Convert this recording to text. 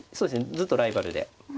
ずっとライバルで。